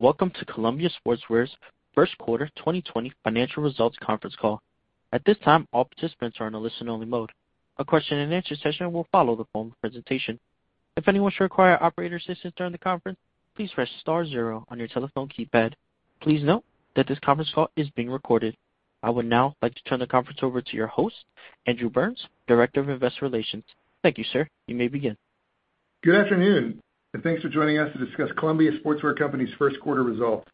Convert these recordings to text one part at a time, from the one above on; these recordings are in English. Welcome to Columbia Sportswear's first quarter 2020 financial results conference call. At this time, all participants are in a listen-only mode. A question-and-answer session will follow the phone presentation. If anyone should require operator assistance during the conference, please press star zero on your telephone keypad. Please note that this conference call is being recorded. I would now like to turn the conference over to your host, Andrew Burns, Director of Investor Relations. Thank you, sir. You may begin. Good afternoon, and thanks for joining us to discuss Columbia Sportswear Company's first quarter results.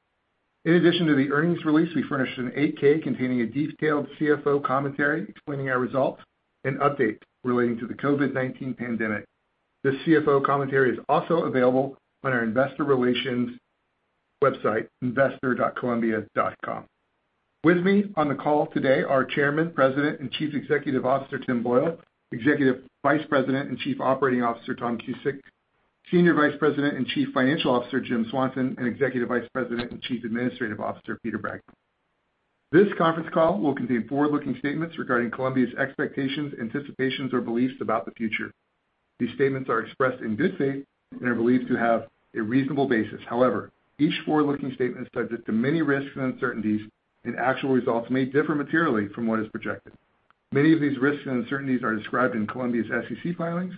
In addition to the earnings release, we furnished an 8-K containing a detailed CFO commentary explaining our results and updates relating to the COVID-19 pandemic. This CFO commentary is also available on our investor relations website, investor.columbia.com. With me on the call today, are Chairman, President, and Chief Executive Officer, Tim Boyle, Executive Vice President and Chief Operating Officer, Tom Kusick, Senior Vice President and Chief Financial Officer, Jim Swanson, and Executive Vice President and Chief Administrative Officer, Peter Bragg. This conference call will contain forward-looking statements regarding Columbia's expectations, anticipations, or beliefs about the future. These statements are expressed in good faith and are believed to have a reasonable basis. However, each forward-looking statement is subject to many risks and uncertainties, and actual results may differ materially from what is projected. Many of these risks and uncertainties are described in Columbia's SEC filings.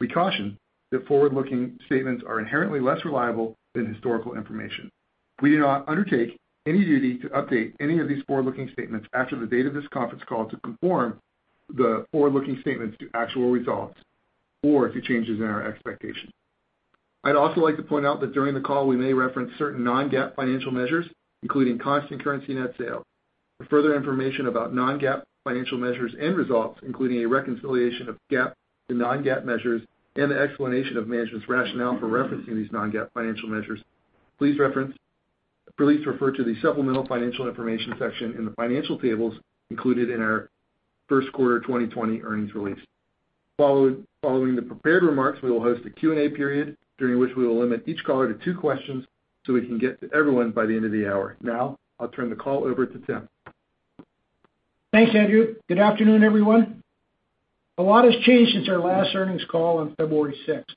We caution that forward-looking statements are inherently less reliable than historical information. We do not undertake any duty to update any of these forward-looking statements after the date of this conference call to conform the forward-looking statements to actual results or to changes in our expectations. I'd also like to point out that during the call we may reference certain non-GAAP financial measures, including constant currency net sales. For further information about non-GAAP financial measures and results, including a reconciliation of GAAP to non-GAAP measures and an explanation of management's rationale for referencing these non-GAAP financial measures, please refer to the supplemental financial information section in the financial tables included in our first quarter 2020 earnings release. Following the prepared remarks, we will host a Q&A period during which we will limit each caller to two questions so we can get to everyone by the end of the hour. Now, I'll turn the call over to Tim. Thanks, Andrew. Good afternoon, everyone. A lot has changed since our last earnings call on February 6th.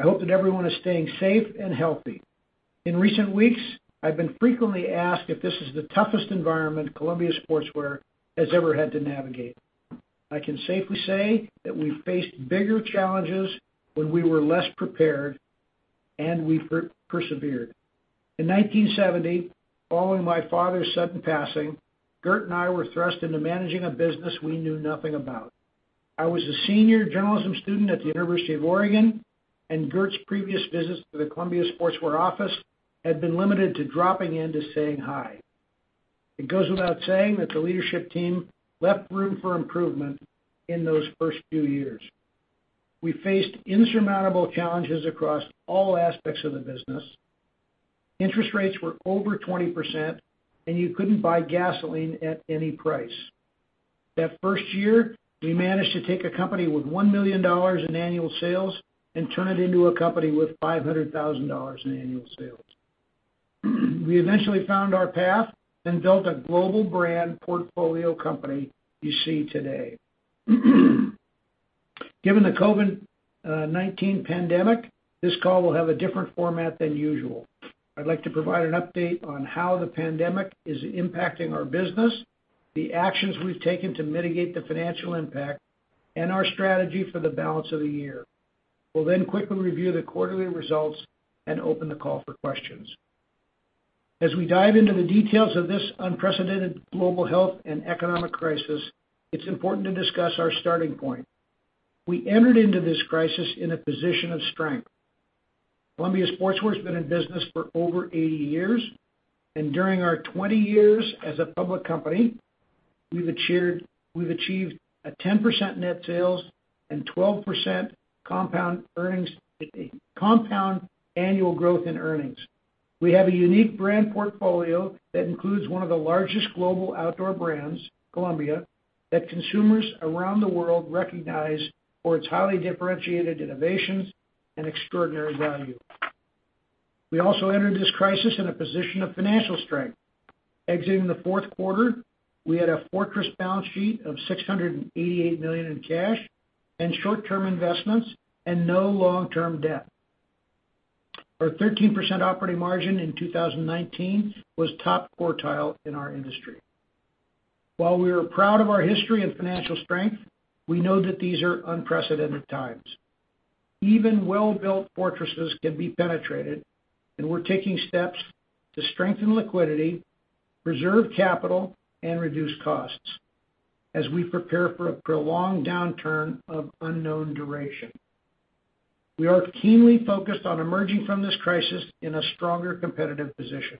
I hope that everyone is staying safe and healthy. In recent weeks, I've been frequently asked if this is the toughest environment Columbia Sportswear has ever had to navigate. I can safely say that we've faced bigger challenges when we were less prepared, and we've persevered. In 1970, following my father's sudden passing, Gert and I were thrust into managing a business we knew nothing about. I was a senior journalism student at the University of Oregon, and Gert's previous visits to the Columbia Sportswear office had been limited to dropping in to say hi. It goes without saying that the leadership team left room for improvement in those first few years. We faced insurmountable challenges across all aspects of the business. Interest rates were over 20%, and you couldn't buy gasoline at any price. That first year, we managed to take a company with $1 million in annual sales and turn it into a company with $500,000 in annual sales. We eventually found our path and built a global brand portfolio company you see today. Given the COVID-19 pandemic, this call will have a different format than usual. I'd like to provide an update on how the pandemic is impacting our business, the actions we've taken to mitigate the financial impact, and our strategy for the balance of the year. We'll quickly review the quarterly results and open the call for questions. As we dive into the details of this unprecedented global health and economic crisis, it's important to discuss our starting point. We entered into this crisis in a position of strength. Columbia Sportswear's been in business for over 80 years, and during our 20 years as a public company, we've achieved a 10% net sales and 12% compound annual growth in earnings. We have a unique brand portfolio that includes one of the largest global outdoor brands, Columbia, that consumers around the world recognize for its highly differentiated innovations and extraordinary value. We also entered this crisis in a position of financial strength. Exiting the fourth quarter, we had a fortress balance sheet of $688 million in cash and short-term investments and no long-term debt. Our 13% operating margin in 2019 was top quartile in our industry. While we are proud of our history and financial strength, we know that these are unprecedented times. Even well-built fortresses can be penetrated. We're taking steps to strengthen liquidity, preserve capital, and reduce costs as we prepare for a prolonged downturn of unknown duration. We are keenly focused on emerging from this crisis in a stronger competitive position.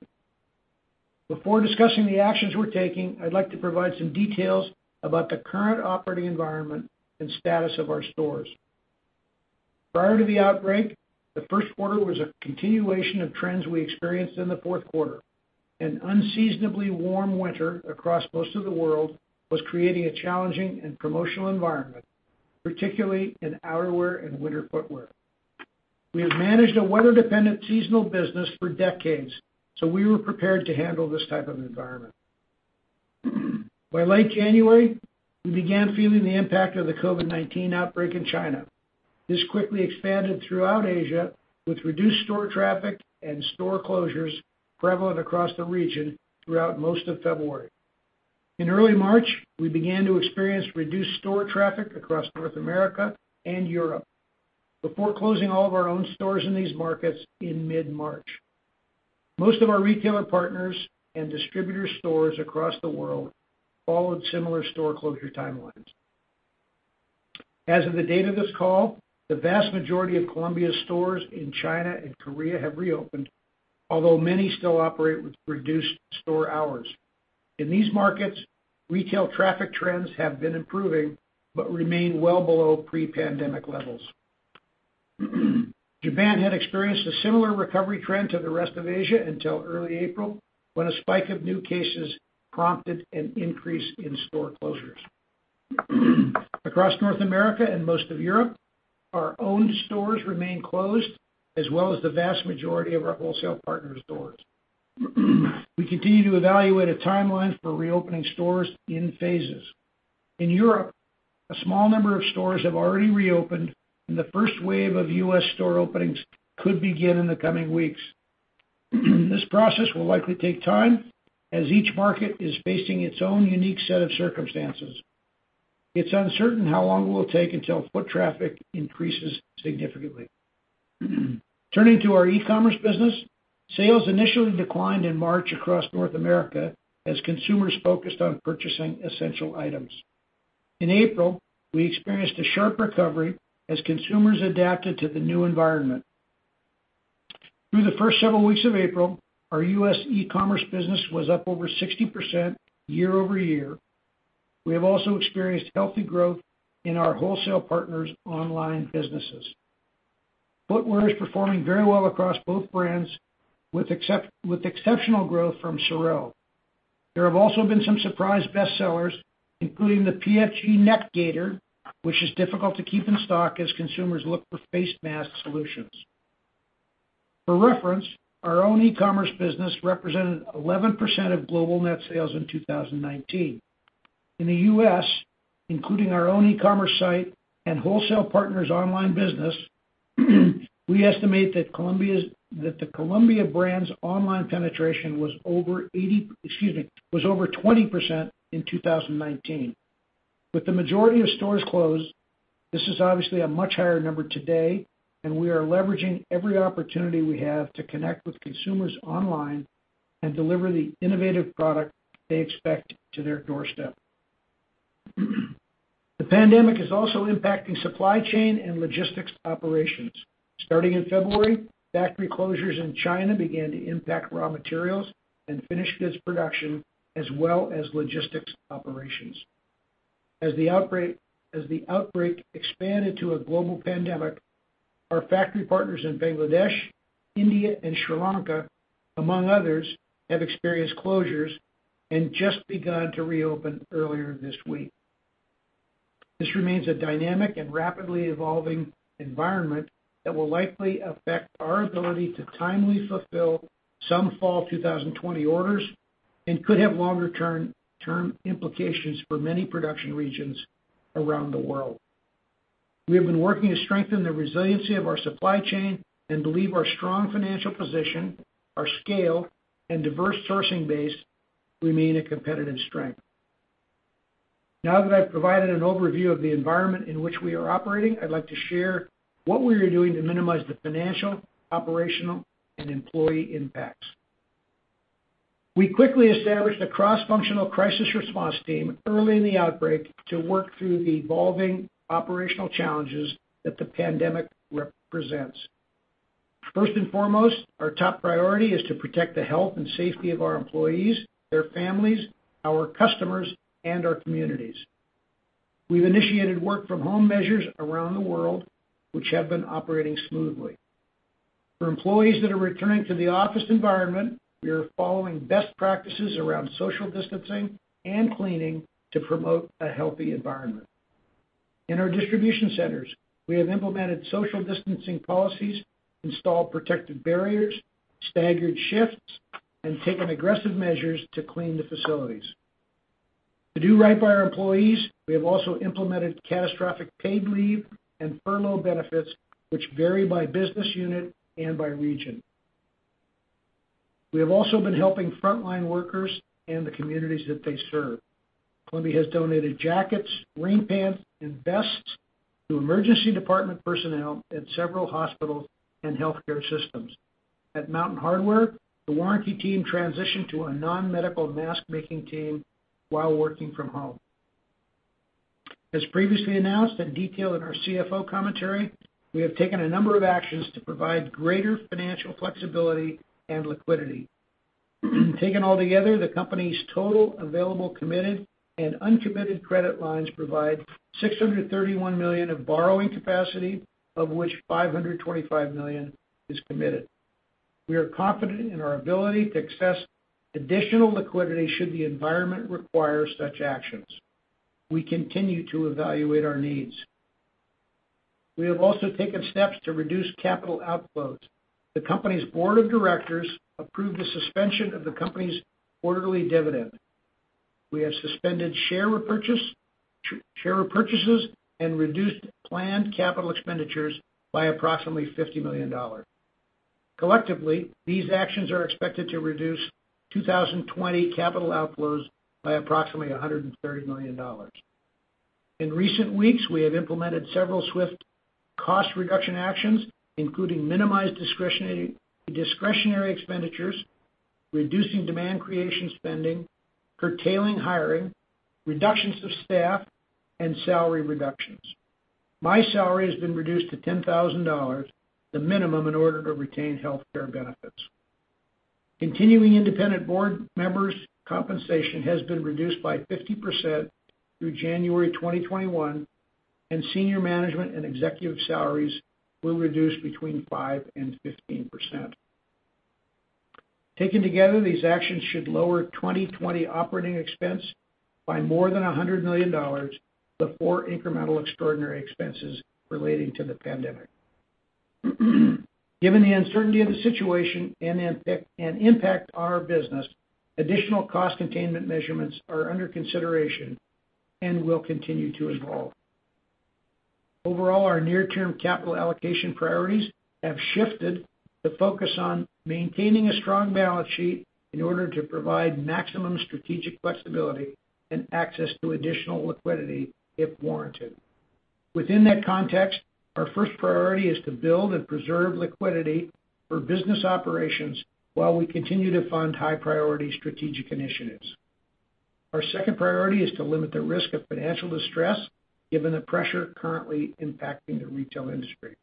Before discussing the actions we're taking, I'd like to provide some details about the current operating environment and status of our stores. Prior to the outbreak, the first quarter was a continuation of trends we experienced in the fourth quarter. An unseasonably warm winter across most of the world was creating a challenging and promotional environment, particularly in outerwear and winter footwear. We have managed a weather-dependent seasonal business for decades. We were prepared to handle this type of environment. By late January, we began feeling the impact of the COVID-19 outbreak in China. This quickly expanded throughout Asia, with reduced store traffic and store closures prevalent across the region throughout most of February. In early March, we began to experience reduced store traffic across North America and Europe before closing all of our own stores in these markets in mid-March. Most of our retailer partners and distributor stores across the world followed similar store closure timelines. As of the date of this call, the vast majority of Columbia stores in China and Korea have reopened, although many still operate with reduced store hours. In these markets, retail traffic trends have been improving but remain well below pre-pandemic levels. Japan had experienced a similar recovery trend to the rest of Asia until early April, when a spike of new cases prompted an increase in store closures. Across North America and most of Europe, our own stores remain closed, as well as the vast majority of our wholesale partners' stores. We continue to evaluate a timeline for reopening stores in phases. In Europe, a small number of stores have already reopened, and the first wave of U.S. store openings could begin in the coming weeks. This process will likely take time, as each market is facing its own unique set of circumstances. It's uncertain how long it will take until foot traffic increases significantly. Turning to our e-commerce business, sales initially declined in March across North America as consumers focused on purchasing essential items. In April, we experienced a sharp recovery as consumers adapted to the new environment. Through the first several weeks of April, our U.S. e-commerce business was up over 60% year-over-year. We have also experienced healthy growth in our wholesale partners' online businesses. Footwear is performing very well across both brands, with exceptional growth from SOREL. There have also been some surprise bestsellers, including the PFG Neck Gaiter, which is difficult to keep in stock as consumers look for face mask solutions. For reference, our own e-commerce business represented 11% of global net sales in 2019. In the U.S., including our own e-commerce site and wholesale partners' online business, we estimate that the Columbia brand's online penetration was over 20% in 2019. With the majority of stores closed, this is obviously a much higher number today, and we are leveraging every opportunity we have to connect with consumers online and deliver the innovative product they expect to their doorstep. The pandemic is also impacting supply chain and logistics operations. Starting in February, factory closures in China began to impact raw materials and finished goods production, as well as logistics operations. As the outbreak expanded to a global pandemic, our factory partners in Bangladesh, India, and Sri Lanka, among others, have experienced closures and just begun to reopen earlier this week. This remains a dynamic and rapidly evolving environment that will likely affect our ability to timely fulfill some fall 2020 orders and could have longer-term implications for many production regions around the world. We have been working to strengthen the resiliency of our supply chain and believe our strong financial position, our scale, and diverse sourcing base remain a competitive strength. Now that I've provided an overview of the environment in which we are operating, I'd like to share what we are doing to minimize the financial, operational, and employee impacts. We quickly established a cross-functional crisis response team early in the outbreak to work through the evolving operational challenges that the pandemic represents. First and foremost, our top priority is to protect the health and safety of our employees, their families, our customers, and our communities. We've initiated work from home measures around the world, which have been operating smoothly. For employees that are returning to the office environment, we are following best practices around social distancing and cleaning to promote a healthy environment. In our distribution centers, we have implemented social distancing policies, installed protective barriers, staggered shifts, and taken aggressive measures to clean the facilities. To do right by our employees, we have also implemented catastrophic paid leave and furlough benefits, which vary by business unit and by region. We have also been helping frontline workers and the communities that they serve. Columbia has donated jackets, rain pants, and vests to emergency department personnel at several hospitals and healthcare systems. At Mountain Hardwear, the warranty team transitioned to a non-medical mask-making team while working from home. As previously announced and detailed in our CFO commentary, we have taken a number of actions to provide greater financial flexibility and liquidity. Taken altogether, the company's total available committed and uncommitted credit lines provide $631 million of borrowing capacity, of which $525 million is committed. We are confident in our ability to access additional liquidity should the environment require such actions. We continue to evaluate our needs. We have also taken steps to reduce capital outflows. The company's board of directors approved the suspension of the company's quarterly dividend. We have suspended share repurchases and reduced planned capital expenditures by approximately $50 million. Collectively, these actions are expected to reduce 2020 capital outflows by approximately $130 million. In recent weeks, we have implemented several swift cost reduction actions, including minimized discretionary expenditures, reducing demand creation spending, curtailing hiring, reductions of staff, and salary reductions. My salary has been reduced to $10,000, the minimum in order to retain healthcare benefits. Continuing independent board members' compensation has been reduced by 50% through January 2021, and senior management and executive salaries will reduce between 5% and 15%. Taken together, these actions should lower 2020 operating expense by more than $100 million before incremental extraordinary expenses relating to the pandemic. Given the uncertainty of the situation and impact on our business, additional cost containment measurements are under consideration and will continue to evolve. Overall, our near-term capital allocation priorities have shifted to focus on maintaining a strong balance sheet in order to provide maximum strategic flexibility and access to additional liquidity if warranted. Within that context, our first priority is to build and preserve liquidity for business operations while we continue to fund high-priority strategic initiatives. Our second priority is to limit the risk of financial distress, given the pressure currently impacting the retail industry.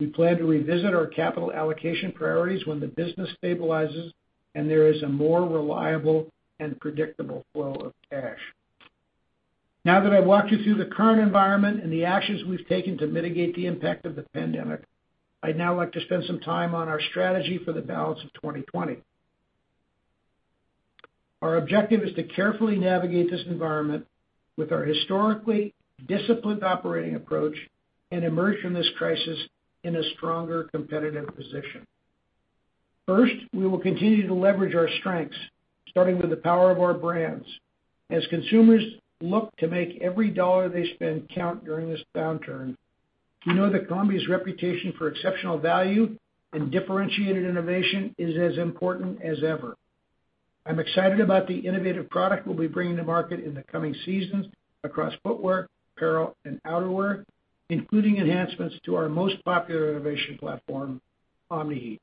We plan to revisit our capital allocation priorities when the business stabilizes and there is a more reliable and predictable flow of cash. Now that I've walked you through the current environment and the actions we've taken to mitigate the impact of the pandemic, I'd now like to spend some time on our strategy for the balance of 2020. Our objective is to carefully navigate this environment with our historically disciplined operating approach and emerge from this crisis in a stronger competitive position. First, we will continue to leverage our strengths, starting with the power of our brands. As consumers look to make every dollar they spend count during this downturn, we know that Columbia's reputation for exceptional value and differentiated innovation is as important as ever. I'm excited about the innovative product we'll be bringing to market in the coming seasons across footwear, apparel, and outerwear, including enhancements to our most popular innovation platform, Omni-Heat.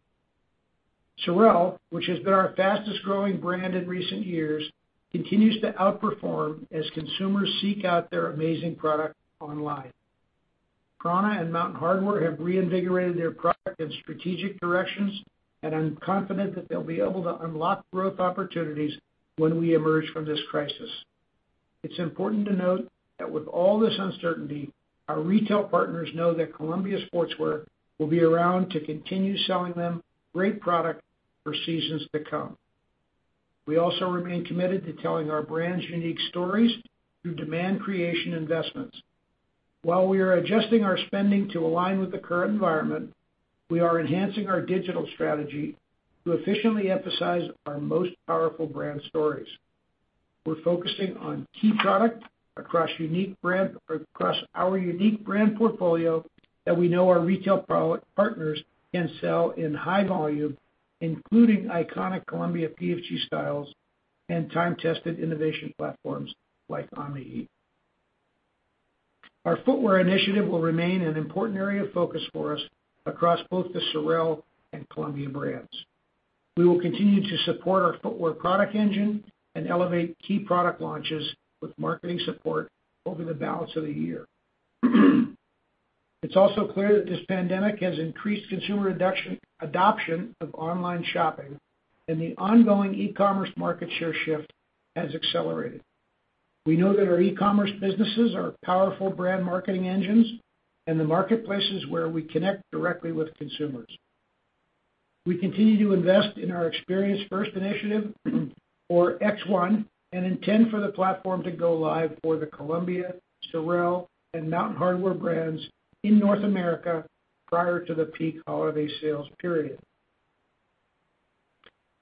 SOREL, which has been our fastest-growing brand in recent years, continues to outperform as consumers seek out their amazing product online. PrAna and Mountain Hardwear have reinvigorated their product and strategic directions, and I'm confident that they'll be able to unlock growth opportunities when we emerge from this crisis. It's important to note that with all this uncertainty, our retail partners know that Columbia Sportswear will be around to continue selling them great product for seasons to come. We also remain committed to telling our brands' unique stories through demand creation investments. While we are adjusting our spending to align with the current environment, we are enhancing our digital strategy to efficiently emphasize our most powerful brand stories. We're focusing on key product across our unique brand portfolio that we know our retail partners can sell in high volume, including iconic Columbia PFG styles and time-tested innovation platforms like Omni-Heat. Our footwear initiative will remain an important area of focus for us across both the SOREL and Columbia brands. We will continue to support our footwear product engine and elevate key product launches with marketing support over the balance of the year. It's also clear that this pandemic has increased consumer adoption of online shopping and the ongoing e-commerce market share shift has accelerated. We know that our e-commerce businesses are powerful brand marketing engines and the marketplaces where we connect directly with consumers. We continue to invest in our Experience First initiative, or X1, and intend for the platform to go live for the Columbia, SOREL, and Mountain Hardwear brands in North America prior to the peak holiday sales period.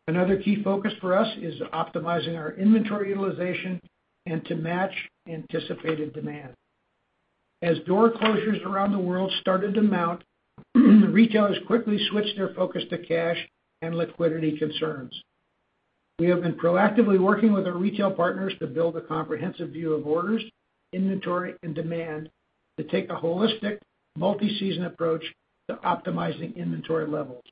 Another key focus for us is optimizing our inventory utilization and to match anticipated demand. As door closures around the world started to mount, retailers quickly switched their focus to cash and liquidity concerns. We have been proactively working with our retail partners to build a comprehensive view of orders, inventory, and demand to take a holistic multi-season approach to optimizing inventory levels.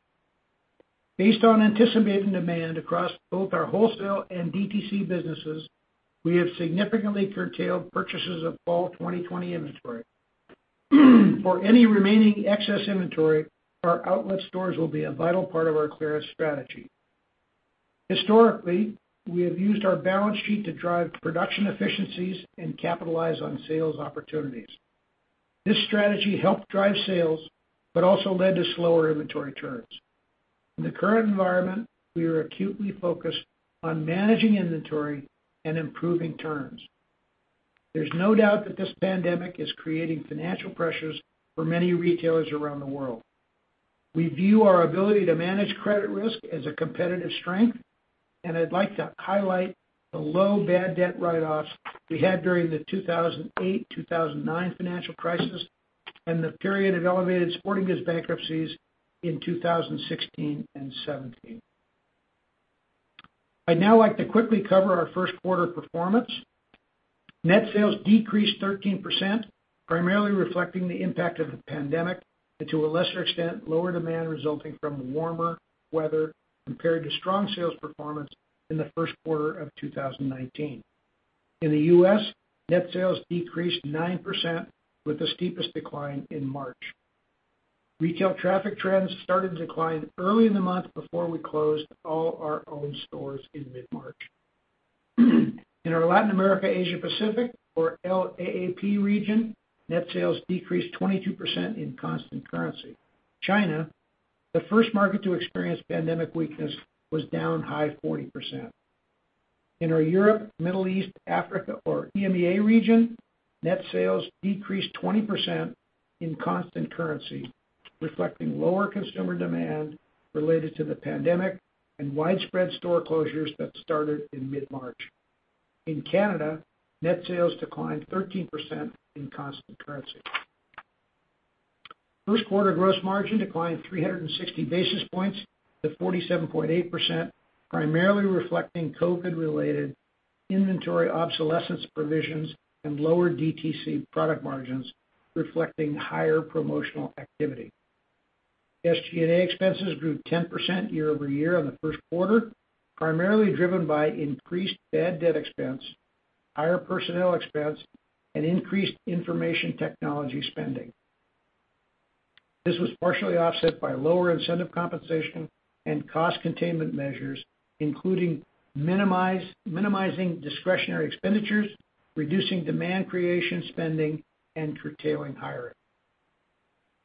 Based on anticipated demand across both our wholesale and DTC businesses, we have significantly curtailed purchases of fall 2020 inventory. For any remaining excess inventory, our outlet stores will be a vital part of our clearance strategy. Historically, we have used our balance sheet to drive production efficiencies and capitalize on sales opportunities. This strategy helped drive sales but also led to slower inventory turns. In the current environment, we are acutely focused on managing inventory and improving terms. There's no doubt that this pandemic is creating financial pressures for many retailers around the world. We view our ability to manage credit risk as a competitive strength, and I'd like to highlight the low bad debt write-offs we had during the 2008, 2009 financial crisis, and the period of elevated sporting goods bankruptcies in 2016 and 2017. I'd now like to quickly cover our first quarter performance. Net sales decreased 13%, primarily reflecting the impact of the pandemic and, to a lesser extent, lower demand resulting from warmer weather compared to strong sales performance in the first quarter of 2019. In the U.S., net sales decreased 9% with the steepest decline in March. Retail traffic trends started to decline early in the month before we closed all our own stores in mid-March. In our Latin America, Asia Pacific or LAAP region, net sales decreased 22% in constant currency. China, the first market to experience pandemic weakness, was down high 40%. In our Europe, Middle East, Africa or EMEA region, net sales decreased 20% in constant currency, reflecting lower consumer demand related to the pandemic and widespread store closures that started in mid-March. In Canada, net sales declined 13% in constant currency. First quarter gross margin declined 360 basis points to 47.8%, primarily reflecting COVID-related inventory obsolescence provisions and lower DTC product margins reflecting higher promotional activity. SG&A expenses grew 10% year-over-year on the first quarter, primarily driven by increased bad debt expense, higher personnel expense, and increased information technology spending. This was partially offset by lower incentive compensation and cost containment measures, including minimizing discretionary expenditures, reducing demand creation spending, and curtailing hiring.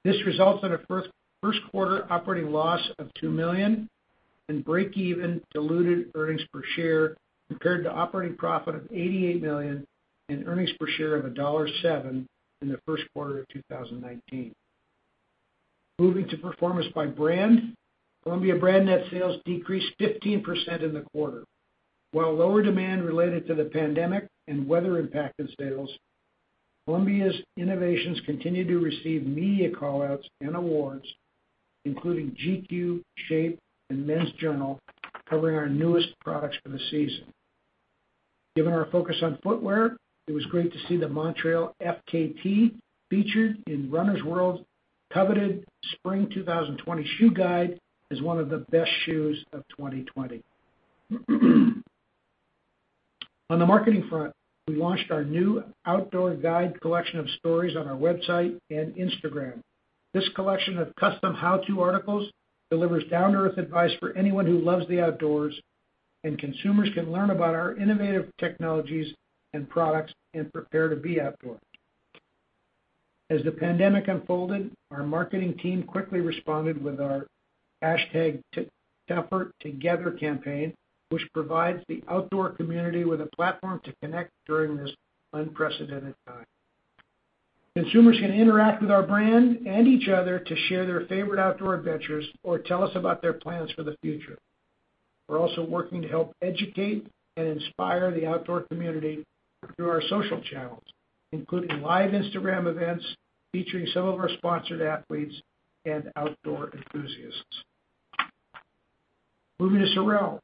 This results in a first quarter operating loss of $2 million and break-even diluted earnings per share, compared to operating profit of $88 million and earnings per share of $1.07 in the first quarter of 2019. Moving to performance by brand, Columbia brand net sales decreased 15% in the quarter. While lower demand related to the pandemic and weather impacted sales, Columbia's innovations continue to receive media callouts and awards, including GQ, Shape, and Men's Journal, covering our newest products for the season. Given our focus on footwear, it was great to see the Montrail F.K.T. featured in Runner's World coveted Spring 2020 Shoe Guide as one of the best shoes of 2020. On the marketing front, we launched our new outdoor guide collection of stories on our website and Instagram. This collection of custom how-to articles delivers down-to-earth advice for anyone who loves the outdoors, and consumers can learn about our innovative technologies and products and prepare to be outdoors. As the pandemic unfolded, our marketing team quickly responded with our #TougherTogether campaign, which provides the outdoor community with a platform to connect during this unprecedented time. Consumers can interact with our brand and each other to share their favorite outdoor adventures or tell us about their plans for the future. We're also working to help educate and inspire the outdoor community through our social channels, including live Instagram events featuring some of our sponsored athletes and outdoor enthusiasts. Moving to SOREL.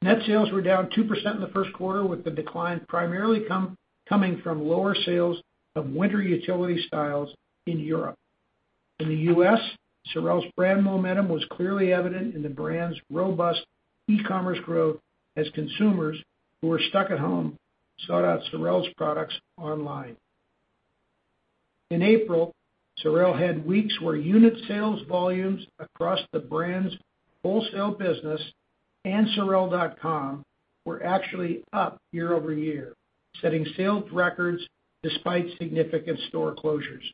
Net sales were down 2% in the first quarter, with the decline primarily coming from lower sales of winter utility styles in Europe. In the U.S., SOREL's brand momentum was clearly evident in the brand's robust e-commerce growth as consumers who were stuck at home sought out SOREL's products online. In April, SOREL had weeks where unit sales volumes across the brand's wholesale business and sorel.com were actually up year-over-year, setting sales records despite significant store closures.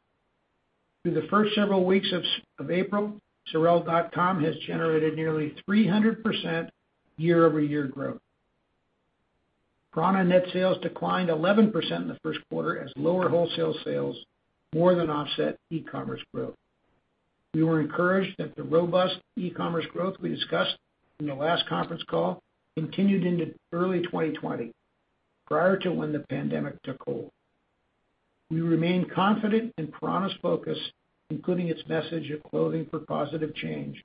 Through the first several weeks of April, sorel.com has generated nearly 300% year-over-year growth. PrAna net sales declined 11% in the first quarter as lower wholesale sales more than offset e-commerce growth. We were encouraged that the robust e-commerce growth we discussed in the last conference call continued into early 2020, prior to when the pandemic took hold. We remain confident in prAna's focus, including its message of clothing for positive change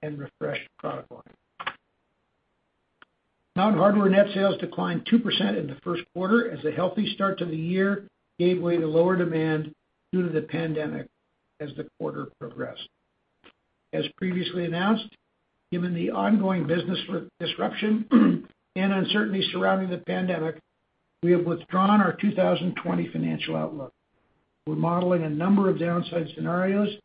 and refreshed product line. Mountain Hardwear net sales declined 2% in the first quarter as a healthy start to the year gave way to lower demand due to the pandemic as the quarter progressed. As previously announced, given the ongoing business disruption and uncertainty surrounding the pandemic, we have withdrawn our 2020 financial outlook. We're modeling a number of downside scenarios,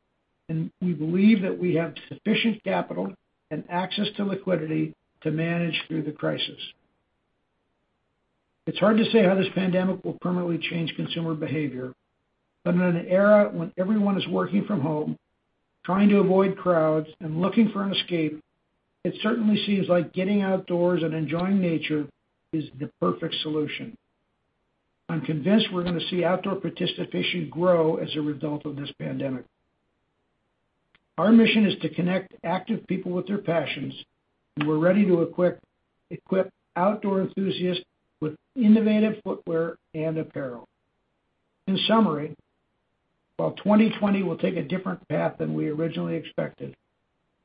and we believe that we have sufficient capital and access to liquidity to manage through the crisis. It's hard to say how this pandemic will permanently change consumer behavior. In an era when everyone is working from home, trying to avoid crowds, and looking for an escape, it certainly seems like getting outdoors and enjoying nature is the perfect solution. I'm convinced we're going to see outdoor participation grow as a result of this pandemic. Our mission is to connect active people with their passions, and we're ready to equip outdoor enthusiasts with innovative footwear and apparel. In summary, while 2020 will take a different path than we originally expected,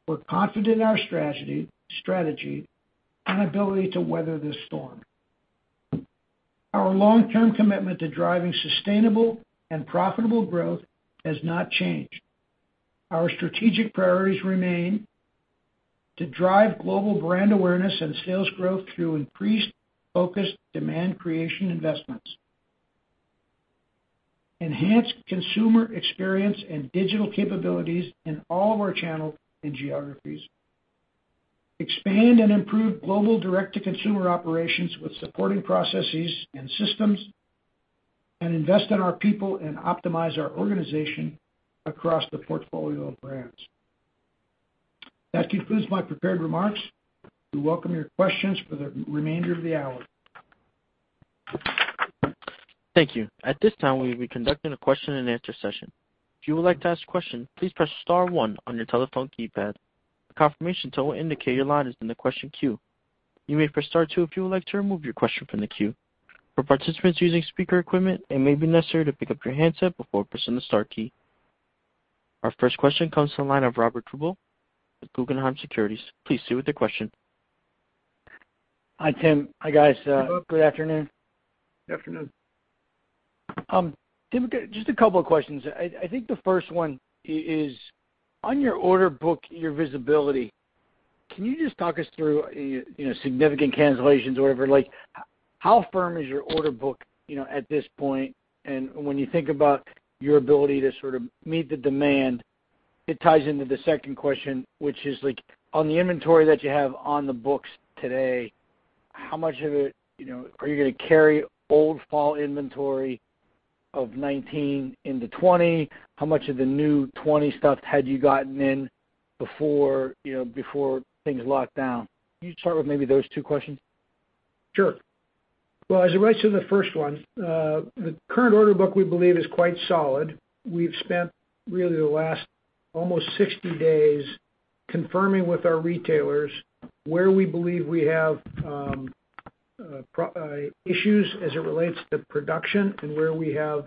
we're confident in our strategy and ability to weather this storm. Our long-term commitment to driving sustainable and profitable growth has not changed. Our strategic priorities remain, to drive global brand awareness and sales growth through increased, focused demand creation investments, enhance consumer experience and digital capabilities in all of our channels and geographies, expand and improve global direct-to-consumer operations with supporting processes and systems, and invest in our people and optimize our organization across the portfolio of brands. That concludes my prepared remarks. We welcome your questions for the remainder of the hour. Thank you. At this time, we will be conducting a question and answer session. If you would like to ask a question, please press star one on your telephone keypad. A confirmation tone will indicate your line is in the question queue. You may press star two if you would like to remove your question from the queue. For participants using speaker equipment, it may be necessary to pick up your handset before pressing the star key. Our first question comes from the line of Robert Drbul with Guggenheim Securities. Please proceed with your question. Hi, Tim. Hi, guys. Hey, Bob. Good afternoon. Afternoon. Tim, just a couple of questions. I think the first one is on your order book, your visibility, can you just talk us through significant cancellations or whatever? How firm is your order book at this point? When you think about your ability to sort of meet the demand, it ties into the second question, which is on the inventory that you have on the books today, how much of it are you going to carry old fall inventory of 2019 into 2020? How much of the new 2020 stuff had you gotten in before things locked down? Can you start with maybe those two questions? Sure. Well, as it relates to the first one, the current order book, we believe, is quite solid. We've spent really the last almost 60 days confirming with our retailers where we believe we have issues as it relates to production and where we have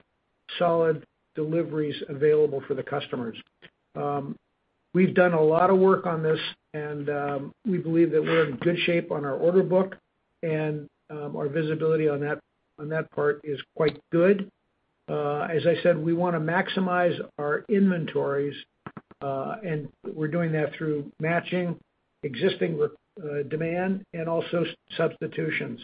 solid deliveries available for the customers. We've done a lot of work on this, and we believe that we're in good shape on our order book, and our visibility on that part is quite good. As I said, we want to maximize our inventories, and we're doing that through matching existing demand and also substitutions.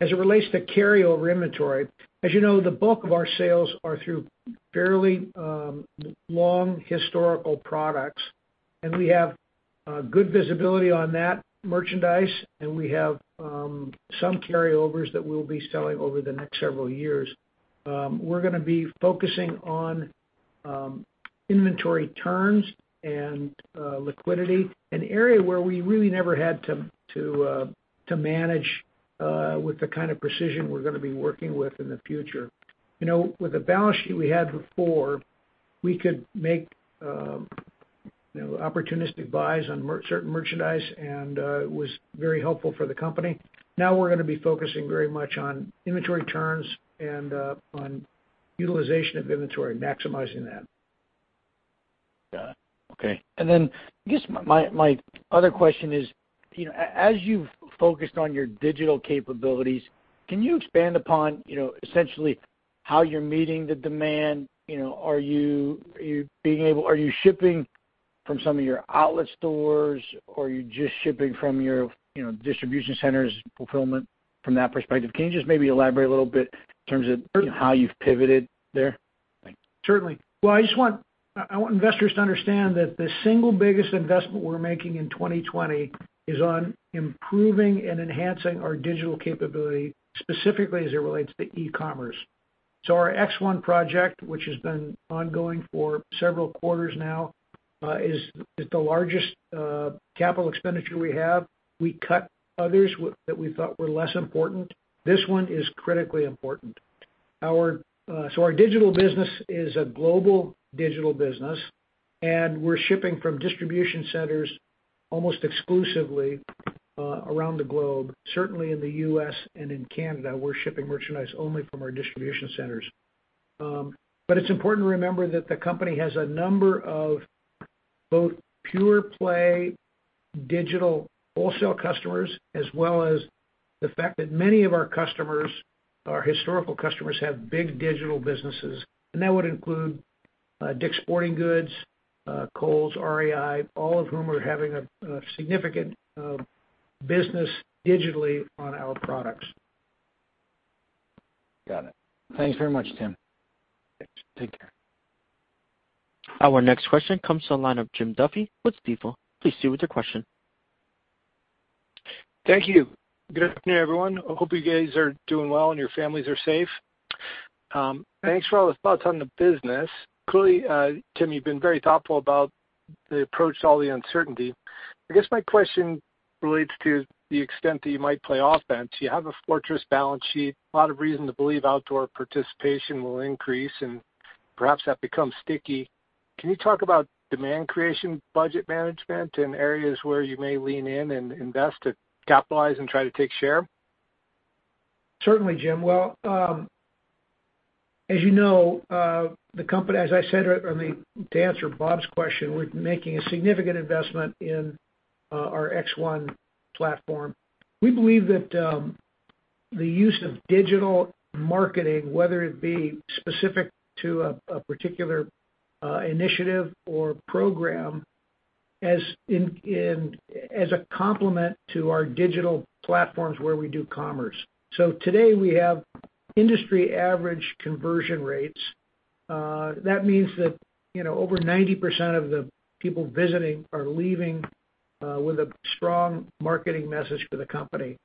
As it relates to carryover inventory, as you know, the bulk of our sales are through fairly long historical products, and we have good visibility on that merchandise, and we have some carryovers that we'll be selling over the next several years. We're going to be focusing on inventory turns and liquidity, an area where we really never had to manage with the kind of precision we're going to be working with in the future. With the balance sheet we had before, we could make opportunistic buys on certain merchandise, and it was very helpful for the company. Now we're going to be focusing very much on inventory turns and on utilization of inventory, maximizing that. Got it. Okay. I guess my other question is as you've focused on your digital capabilities, can you expand upon essentially how you're meeting the demand? Are you shipping from some of your outlet stores, or are you just shipping from your distribution centers fulfillment from that perspective? Can you just maybe elaborate a little bit in terms of? Sure. How you've pivoted there? Thanks. Certainly. Well, I want investors to understand that the single biggest investment we're making in 2020 is on improving and enhancing our digital capability, specifically as it relates to e-commerce. Our X1 project, which has been ongoing for several quarters now, is the largest capital expenditure we have. We cut others that we thought were less important. This one is critically important. Our digital business is a global digital business, and we're shipping from distribution centers almost exclusively around the globe. Certainly in the U.S. and in Canada, we're shipping merchandise only from our distribution centers. It's important to remember that the company has a number of both pure play digital wholesale customers, as well as the fact that many of our customers, our historical customers, have big digital businesses. That would include Dick's Sporting Goods, Kohl's, REI, all of whom are having a significant business digitally on our products. Got it. Thanks very much, Tim. Thanks. Take care. Our next question comes to the line of Jim Duffy with Stifel. Please proceed with your question. Thank you. Good afternoon, everyone. I hope you guys are doing well, and your families are safe. Thanks for all the thoughts on the business. Clearly, Tim, you've been very thoughtful about the approach to all the uncertainty. I guess my question relates to the extent that you might play offense. You have a fortress balance sheet, a lot of reason to believe outdoor participation will increase, and perhaps that becomes sticky. Can you talk about demand creation, budget management, and areas where you may lean in and invest to capitalize and try to take share? Certainly, Jim. Well, as I said to answer Bob's question, we're making a significant investment in our X1 platform. We believe that the use of digital marketing, whether it be specific to a particular initiative or program as a complement to our digital platforms where we do commerce. Today, we have industry average conversion rates. That means that over 90% of the people visiting are leaving with a strong marketing message for the company.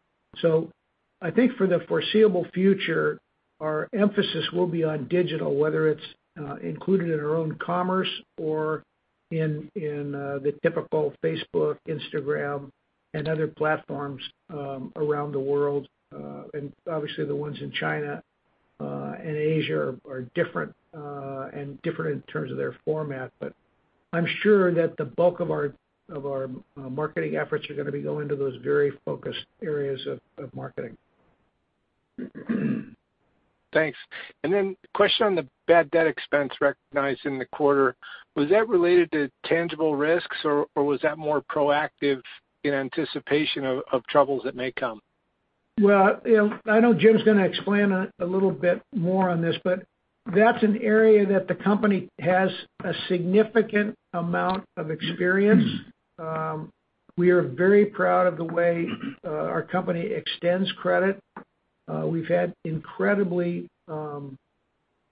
I think for the foreseeable future, our emphasis will be on digital, whether it's included in our own commerce or in the typical Facebook, Instagram, and other platforms around the world. Obviously, the ones in China and Asia are different in terms of their format. I'm sure that the bulk of our marketing efforts are going to be going to those very focused areas of marketing. Thanks. Question on the bad debt expense recognized in the quarter, was that related to tangible risks, or was that more proactive in anticipation of troubles that may come? Well, I know Jim's going to explain a little bit more on this, but that's an area that the company has a significant amount of experience. We are very proud of the way our company extends credit. We've had incredibly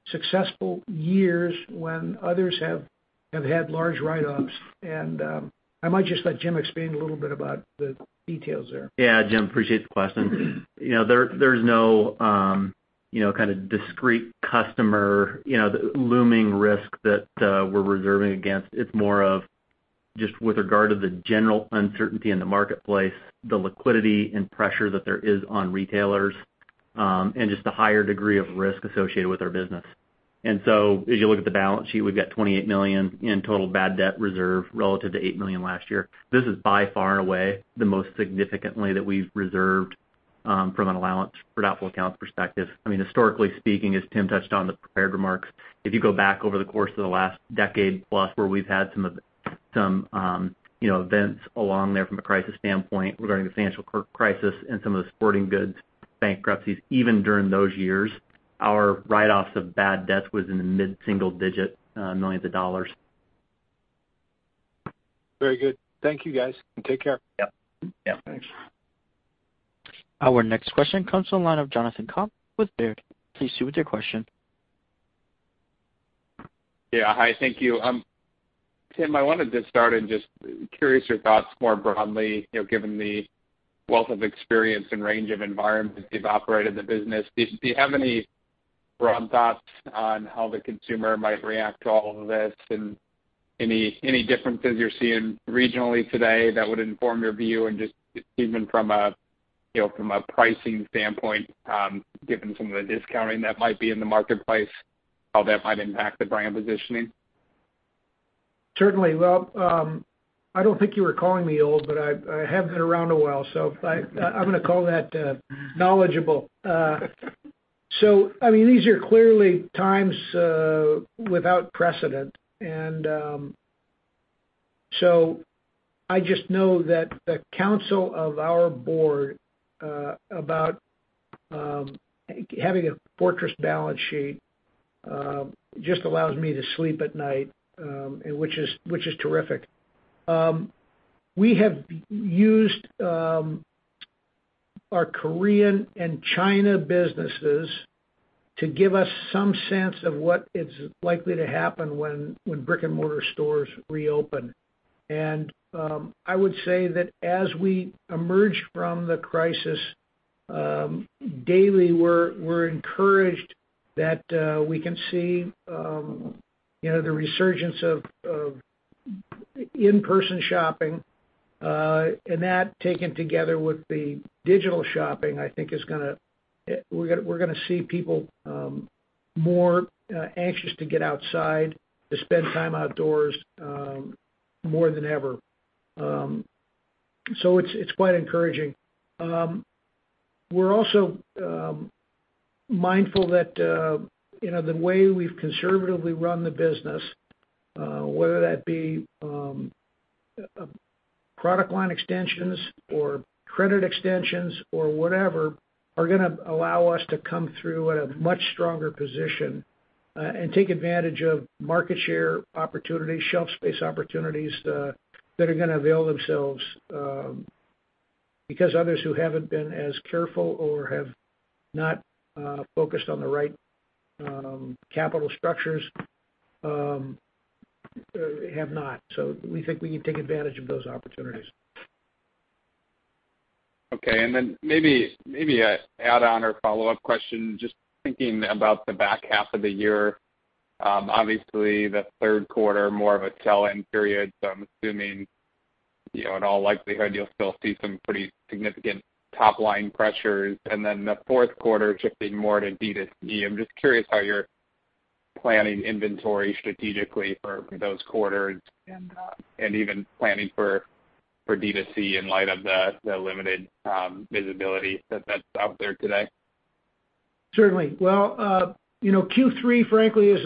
successful years when others have had large write-offs, and I might just let Jim explain a little bit about the details there. Yeah, Jim, appreciate the question. There's no discrete customer looming risk that we're reserving against. It's more of just with regard to the general uncertainty in the marketplace, the liquidity and pressure that there is on retailers, and just the higher degree of risk associated with our business. As you look at the balance sheet, we've got $28 million in total bad debt reserve relative to $8 million last year. This is by far and away the most significantly that we've reserved from an allowance for doubtful accounts perspective. Historically speaking, as Tim touched on the prepared remarks, if you go back over the course of the last decade plus, where we've had some events along there from a crisis standpoint regarding the financial crisis and some of the sporting goods bankruptcies, even during those years, our write-offs of bad debt was in the mid-single digit millions of dollars. Very good. Thank you guys, and take care. Yep. Yeah. Thanks. Our next question comes to the line of Jonathan Komp with Baird. Please proceed with your question. Yeah. Hi, thank you. Tim, I wanted to start and just curious your thoughts more broadly, given the wealth of experience and range of environments you've operated the business. Do you have any broad thoughts on how the consumer might react to all of this, and any differences you're seeing regionally today that would inform your view and just even from a pricing standpoint, given some of the discounting that might be in the marketplace, how that might impact the brand positioning? Certainly. Well, I don't think you were calling me old, but I have been around a while, so I'm going to call that knowledgeable. These are clearly times without precedent, and so I just know that the council of our board about having a fortress balance sheet just allows me to sleep at night, which is terrific. We have used our Korean and China businesses to give us some sense of what is likely to happen when brick-and-mortar stores reopen. I would say that as we emerge from the crisis, daily we're encouraged that we can see the resurgence of in-person shopping, and that taken together with the digital shopping, I think we're going to see people more anxious to get outside to spend time outdoors more than ever. It's quite encouraging. We're also mindful that the way we've conservatively run the business, whether that be product line extensions or credit extensions or whatever, are going to allow us to come through at a much stronger position and take advantage of market share opportunities, shelf space opportunities that are going to avail themselves. Because others who haven't been as careful or have not focused on the right capital structures have not. We think we can take advantage of those opportunities. Okay. Maybe an add-on or follow-up question, just thinking about the back half of the year, obviously the third quarter, more of a tail-end period, so I'm assuming in all likelihood you'll still see some pretty significant top-line pressures, and then the fourth quarter shifting more to D2C. I'm just curious how you're planning inventory strategically for those quarters and even planning for D2C in light of the limited visibility that's out there today? Certainly. Well, Q3 frankly is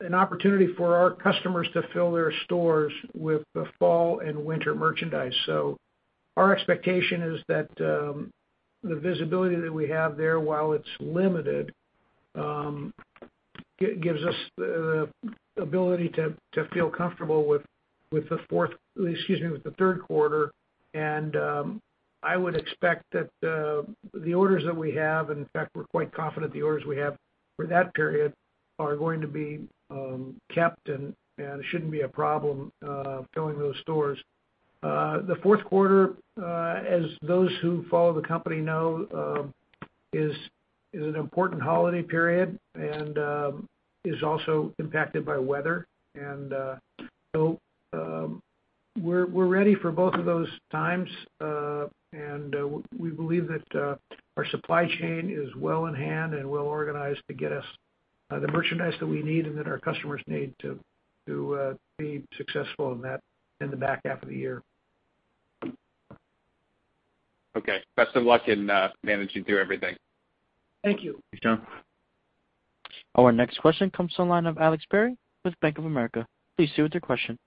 an opportunity for our customers to fill their stores with the fall and winter merchandise. Our expectation is that the visibility that we have there, while it's limited gives us the ability to feel comfortable with the third quarter, and I would expect that the orders that we have, and in fact, we're quite confident the orders we have for that period are going to be kept and it shouldn't be a problem filling those stores. The fourth quarter, as those who follow the company know, is an important holiday period and is also impacted by weather. We're ready for both of those times, and we believe that our supply chain is well in hand and well organized to get us the merchandise that we need and that our customers need to be successful in the back half of the year. Okay. Best of luck in managing through everything. Thank you. Thanks, John. Our next question comes to the line of Alex Perry with Bank of America. Please proceed with your question.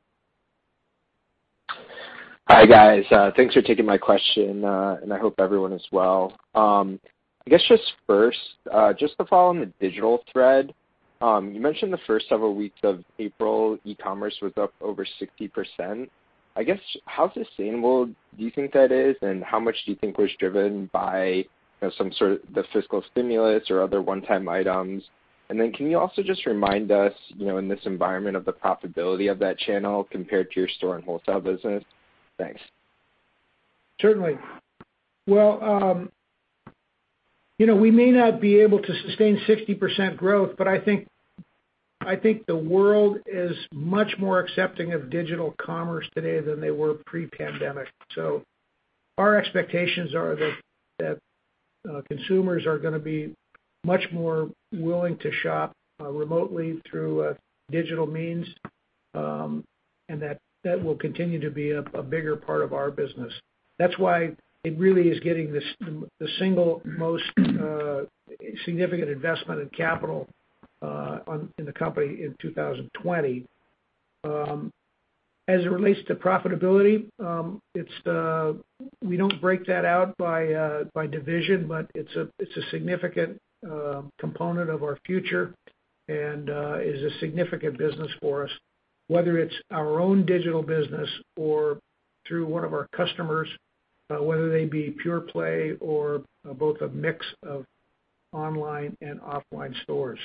Hi, guys. Thanks for taking my question, and I hope everyone is well. I guess just first, just to follow on the digital thread. You mentioned the first several weeks of April, e-commerce was up over 60%. I guess, how sustainable do you think that is, and how much do you think was driven by the fiscal stimulus or other one-time items? Then can you also just remind us, in this environment, of the profitability of that channel compared to your store and wholesale business? Thanks. Certainly. Well, we may not be able to sustain 60% growth, but I think the world is much more accepting of digital commerce today than they were pre-pandemic. Our expectations are that consumers are going to be much more willing to shop remotely through digital means, and that will continue to be a bigger part of our business. That's why it really is getting the single most significant investment in capital in the company in 2020. As it relates to profitability, we don't break that out by division, but it's a significant component of our future and is a significant business for us, whether it's our own digital business or through one of our customers, whether they be pure play or both a mix of online and offline stores.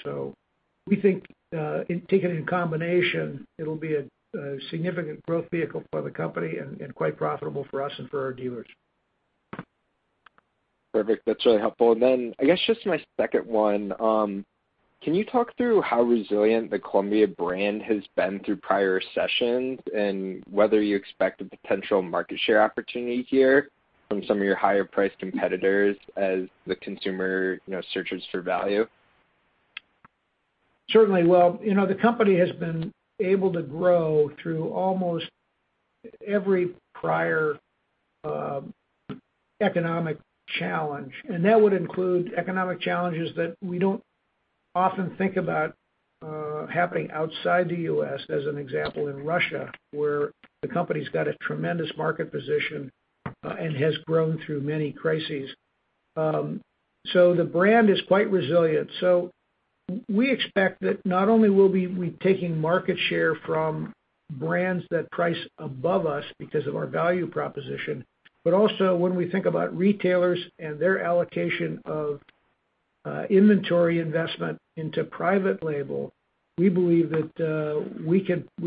We think, taken in combination, it'll be a significant growth vehicle for the company and quite profitable for us and for our dealers. Perfect. That's really helpful. Then I guess just my second one, can you talk through how resilient the Columbia brand has been through prior recessions and whether you expect a potential market share opportunity here from some of your higher priced competitors as the consumer searches for value? Certainly. Well, the company has been able to grow through almost every prior economic challenge, and that would include economic challenges that we don't often think about happening outside the U.S., as an example, in Russia, where the company's got a tremendous market position and has grown through many crises. The brand is quite resilient. We expect that not only will we be taking market share from brands that price above us because of our value proposition, but also when we think about retailers and their allocation of inventory investment into private label, we believe that we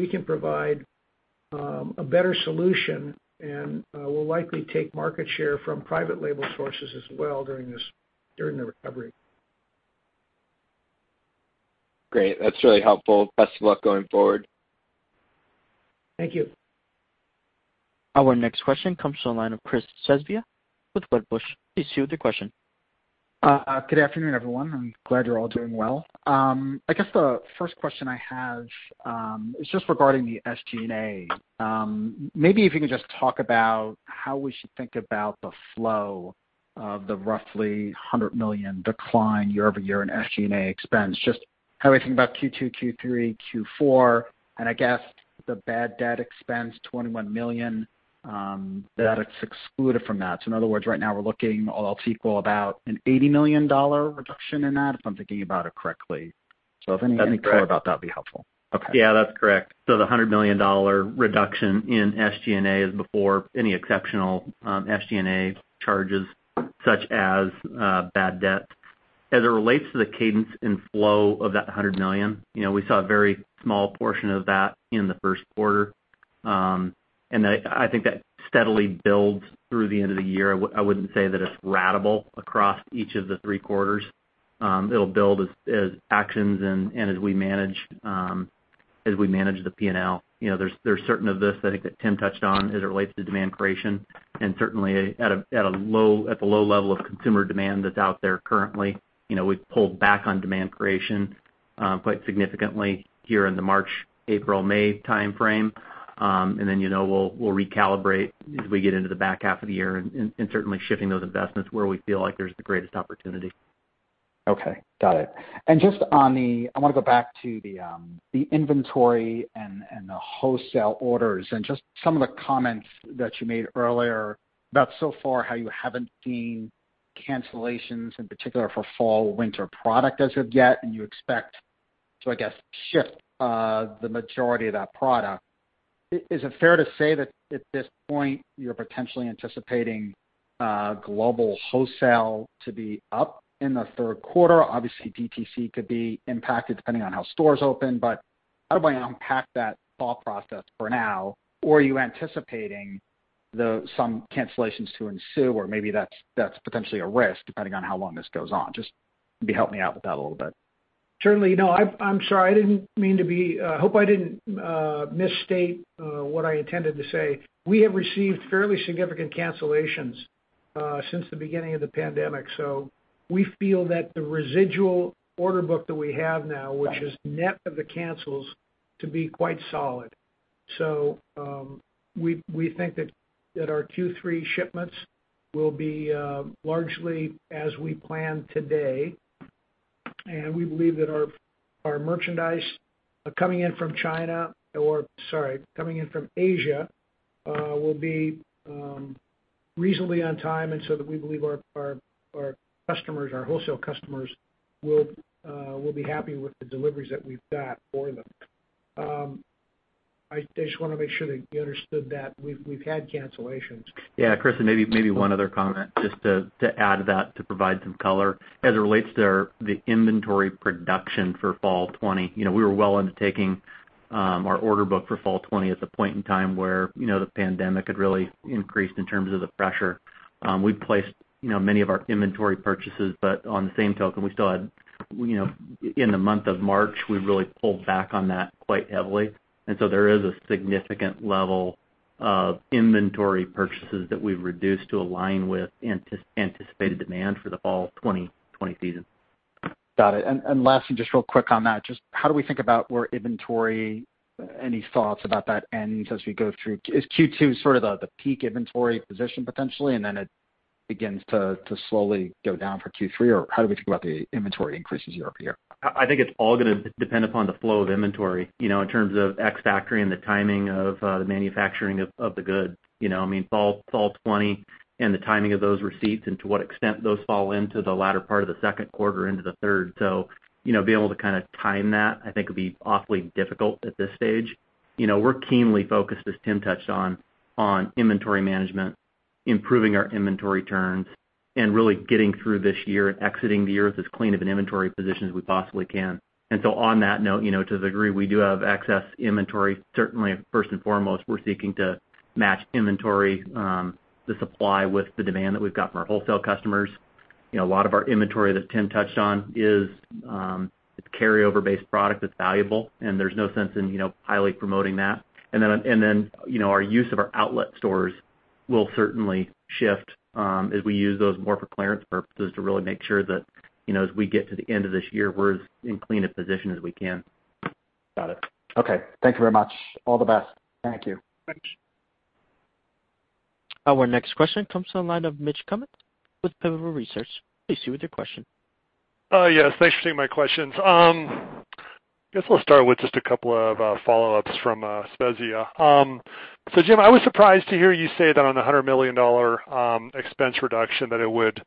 can provide a better solution and will likely take market share from private label sources as well during the recovery. Great. That's really helpful. Best of luck going forward. Thank you. Our next question comes to the line of Chris Svezia with Wedbush. Please proceed with your question. Good afternoon, everyone. I'm glad you're all doing well. I guess the first question I have is just regarding the SG&A. Maybe if you could just talk about how we should think about the flow of the roughly $100 million decline year-over-year in SG&A expense, just how we think about Q2, Q3, Q4, and I guess the bad debt expense, $21 million, that it's excluded from that. In other words, right now we're looking, all else equal, about an $80 million reduction in that, if I'm thinking about it correctly? If any color about that'd be helpful. Yeah, that's correct. The $100 million reduction in SG&A is before any exceptional SG&A charges, such as bad debt. As it relates to the cadence and flow of that $100 million, we saw a very small portion of that in the first quarter. I think that steadily builds through the end of the year. I wouldn't say that it's ratable across each of the three quarters. It'll build as actions and as we manage the P&L. There's certain of this, I think, that Tim touched on as it relates to demand creation, and certainly at the low level of consumer demand that's out there currently. We've pulled back on demand creation quite significantly here in the March, April, May timeframe. We'll recalibrate as we get into the back half of the year and certainly shifting those investments where we feel like there's the greatest opportunity. Okay. Got it. I want to go back to the inventory and the wholesale orders, and just some of the comments that you made earlier about so far how you haven't seen cancellations in particular for fall/winter product as of yet, and you expect to, I guess, ship the majority of that product. Is it fair to say that at this point you're potentially anticipating global wholesale to be up in the third quarter? Obviously DTC could be impacted depending on how stores open, how do I unpack that thought process for now? Are you anticipating some cancellations to ensue or maybe that's potentially a risk depending on how long this goes on? Just maybe help me out with that a little bit. Certainly. No, I'm sorry. I hope I didn't misstate what I intended to say. We have received fairly significant cancellations since the beginning of the pandemic. We feel that the residual order book that we have now, which is net of the cancels, to be quite solid. We think that our Q3 shipments will be largely as we plan today, and we believe that our merchandise coming in from Asia will be reasonably on time and that we believe our wholesale customers will be happy with the deliveries that we've got for them. I just want to make sure that you understood that we've had cancellations. Yeah, Chris, maybe one other comment just to add to that to provide some color. As it relates to the inventory production for fall 2020, we were well into taking our order book for fall 2020 at the point in time where the pandemic had really increased in terms of the pressure. We placed many of our inventory purchases, but on the same token, in the month of March, we really pulled back on that quite heavily. There is a significant level of inventory purchases that we've reduced to align with anticipated demand for the fall 2020 season. Got it. Lastly, just real quick on that, just how do we think about where inventory, any thoughts about that ending as we go through? Is Q2 sort of the peak inventory position potentially, and then it begins to slowly go down for Q3? How do we think about the inventory increase as year-over-year? I think it's all going to depend upon the flow of inventory, in terms of X factor and the timing of the manufacturing of the good. Fall 2020 and the timing of those receipts, and to what extent those fall into the latter part of the second quarter into the third. Be able to time that, I think, would be awfully difficult at this stage. We're keenly focused, as Tim touched on inventory management, improving our inventory turns, and really getting through this year and exiting the year with as clean of an inventory position as we possibly can. On that note, to the degree we do have excess inventory, certainly first and foremost, we're seeking to match inventory, the supply with the demand that we've got from our wholesale customers. A lot of our inventory that Tim touched on is carryover based product that's valuable. There's no sense in highly promoting that. Our use of our outlet stores will certainly shift as we use those more for clearance purposes to really make sure that as we get to the end of this year, we're as in clean a position as we can. Got it. Okay. Thank you very much. All the best. Thank you. Thanks. Our next question comes on the line of Mitch Kummetz with Pivotal Research. Please proceed with your question. Yes, thanks for taking my questions. I guess I'll start with just a couple of follow-ups from Svezia. Jim, I was surprised to hear you say that on the $100 million expense reduction, that it would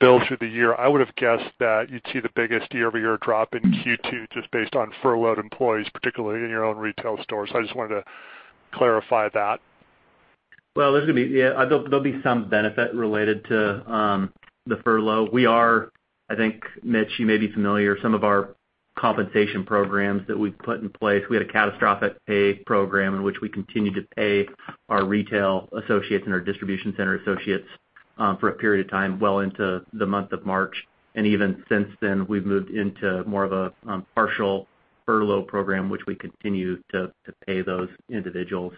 build through the year. I would've guessed that you'd see the biggest year-over-year drop in Q2 just based on furloughed employees, particularly in your own retail stores. I just wanted to clarify that. Well, there'll be some benefit related to the furlough. Mitch, you may be familiar, some of our compensation programs that we've put in place. We had a catastrophic pay program in which we continued to pay our retail associates and our distribution center associates for a period of time well into the month of March. Even since then, we've moved into more of a partial furlough program, which we continue to pay those individuals.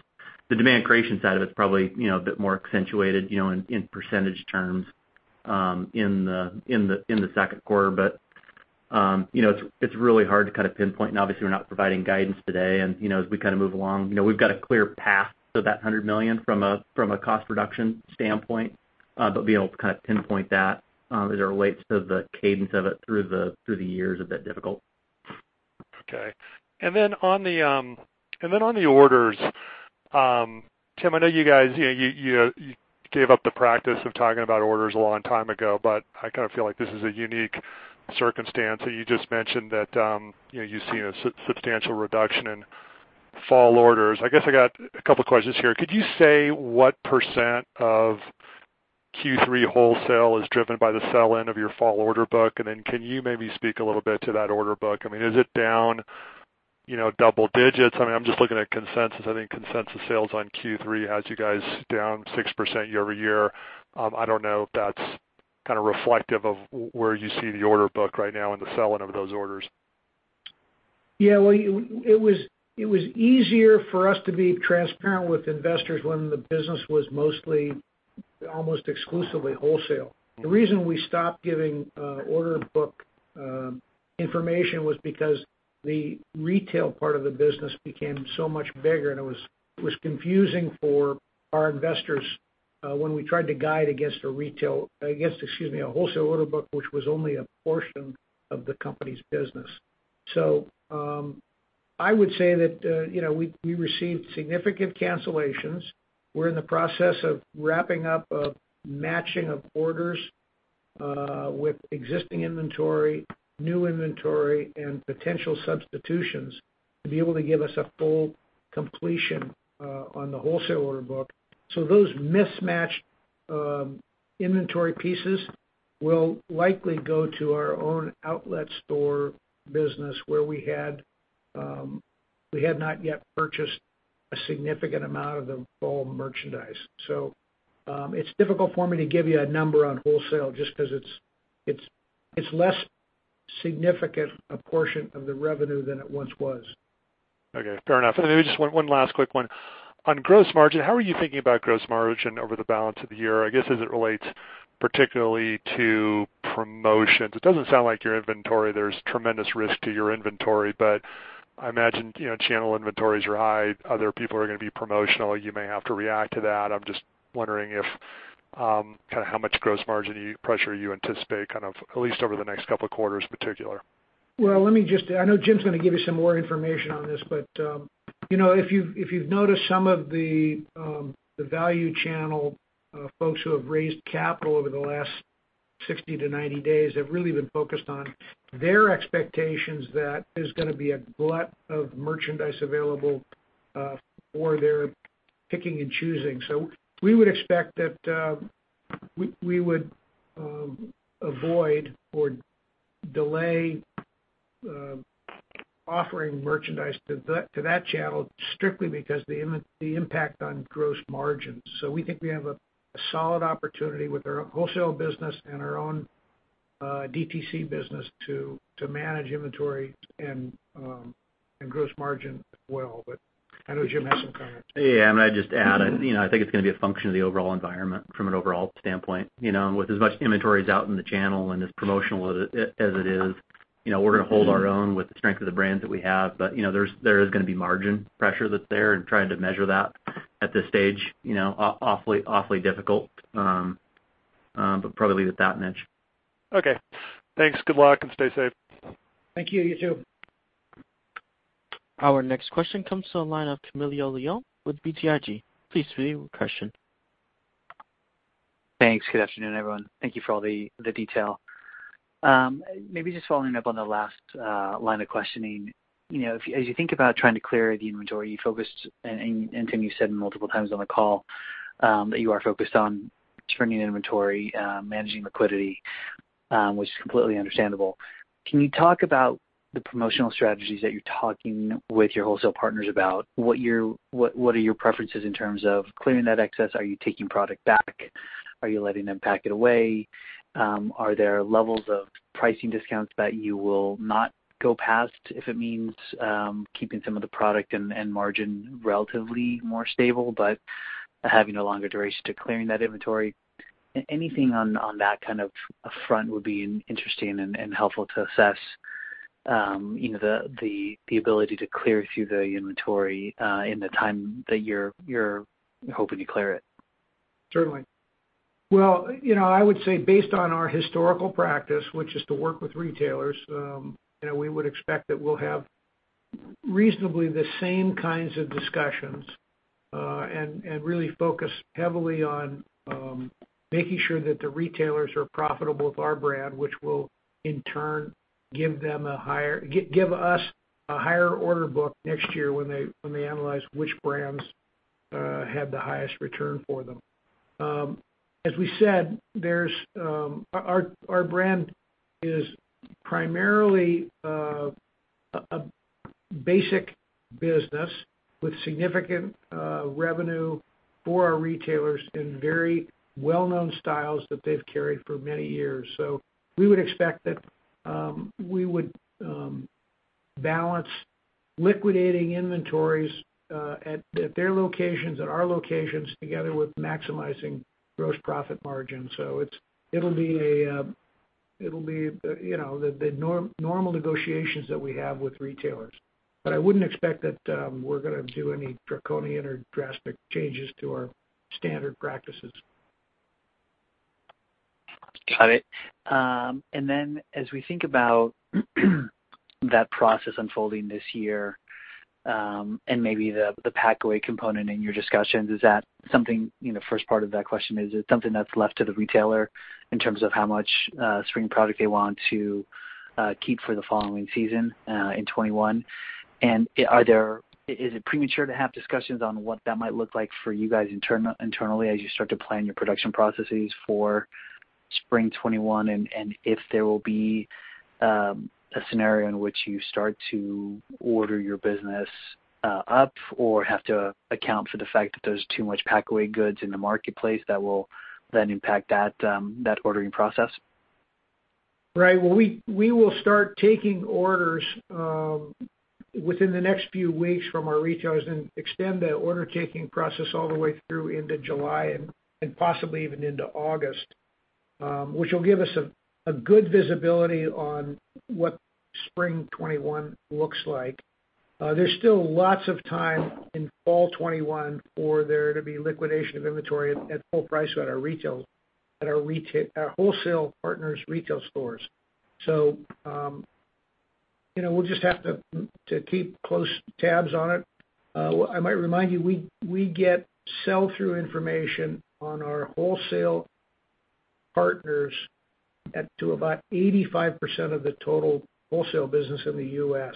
The demand creation side of it's probably a bit more accentuated in percentage terms in the second quarter. It's really hard to pinpoint, and obviously we're not providing guidance today, and as we move along. We've got a clear path to that $100 million from a cost reduction standpoint, but being able to pinpoint that as it relates to the cadence of it through the year is a bit difficult. Okay. On the orders, Tim, I know you guys, you gave up the practice of talking about orders a long time ago, but I kind of feel like this is a unique circumstance. You just mentioned that you've seen a substantial reduction in fall orders. I guess I got a couple questions here. Could you say what percent of Q3 wholesale is driven by the sell-in of your fall order book? Can you maybe speak a little bit to that order book? I mean, is it down double digits? I mean, I'm just looking at consensus. I think consensus sales on Q3 has you guys down 6% year-over-year. I don't know if that's kind of reflective of where you see the order book right now in the sell-in of those orders. Well, it was easier for us to be transparent with investors when the business was mostly, almost exclusively wholesale. The reason we stopped giving order book information was because the retail part of the business became so much bigger, and it was confusing for our investors, when we tried to guide against a wholesale order book, which was only a portion of the company's business. I would say that we received significant cancellations. We're in the process of wrapping up a matching of orders with existing inventory, new inventory, and potential substitutions to be able to give us a full completion on the wholesale order book. Those mismatched inventory pieces will likely go to our own outlet store business where we had not yet purchased a significant amount of the fall merchandise. It's difficult for me to give you a number on wholesale just because it's less significant a portion of the revenue than it once was. Okay. Fair enough. Just one last quick one. On gross margin, how are you thinking about gross margin over the balance of the year, I guess, as it relates particularly to promotions? It doesn't sound like your inventory, there's tremendous risk to your inventory, but I imagine channel inventories are high. Other people are going to be promotional. You may have to react to that. I'm just wondering if, kind of how much gross margin pressure you anticipate kind of at least over the next couple of quarters in particular? Let me just I know Jim's going to give you some more information on this, but if you've noticed some of the value channel folks who have raised capital over the last 60-90 days have really been focused on their expectations that there's going to be a glut of merchandise available for their picking and choosing. We would expect that we would avoid or delay offering merchandise to that channel strictly because the impact on gross margins. We think we have a solid opportunity with our wholesale business and our own DTC business to manage inventory and gross margin well. I know Jim has some comments. Yeah. I mean, I'd just add, I think it's going to be a function of the overall environment from an overall standpoint. With as much inventory is out in the channel and as promotional as it is, we're going to hold our own with the strength of the brands that we have. There is going to be margin pressure that's there and trying to measure that at this stage, awfully difficult. Probably leave it at that, Mitch. Okay, thanks. Good luck and stay safe. Thank you. You too. Our next question comes to the line of Camilo Lyon with BTIG. Please proceed with your question. Thanks. Good afternoon, everyone. Thank you for all the detail. Maybe just following up on the last line of questioning. As you think about trying to clear the inventory, you focused, and Tim, you said multiple times on the call, that you are focused on turning inventory, managing liquidity, which is completely understandable. Can you talk about the promotional strategies that you're talking with your wholesale partners about? What are your preferences in terms of clearing that excess? Are you taking product back? Are you letting them pack it away? Are there levels of pricing discounts that you will not go past if it means keeping some of the product and margin relatively more stable, but having a longer duration to clearing that inventory? Anything on that kind of front would be interesting and helpful to assess the ability to clear through the inventory, in the time that you're hoping to clear it. Certainly. Well, I would say based on our historical practice, which is to work with retailers, we would expect that we'll have reasonably the same kinds of discussions, and really focus heavily on making sure that the retailers are profitable with our brand, which will in turn give us a higher order book next year when they analyze which brands have the highest return for them. As we said, our brand is primarily a basic business with significant revenue for our retailers and very well-known styles that they've carried for many years. So, we would expect that we would balance liquidating inventories at their locations, at our locations, together with maximizing gross profit margin. It'll be the normal negotiations that we have with retailers. I wouldn't expect that we're going to do any draconian or drastic changes to our standard practices. Got it. As we think about that process unfolding this year, and maybe the pack-away component in your discussions, the first part of that question is: Is it something that's left to the retailer in terms of how much spring product they want to keep for the following season in 2021? Is it premature to have discussions on what that might look like for you guys internally, as you start to plan your production processes for spring 2021? If there will be a scenario in which you start to order your business up or have to account for the fact that there's too much pack-away goods in the marketplace that will then impact that ordering process? Right. Well, we will start taking orders within the next few weeks from our retailers and extend the order-taking process all the way through into July and possibly even into August, which will give us a good visibility on what spring 2021 looks like. There's still lots of time in fall 2021 for there to be liquidation of inventory at full price at our wholesale partners' retail stores. We'll just have to keep close tabs on it. I might remind you, we get sell-through information on our wholesale partners to about 85% of the total wholesale business in the U.S.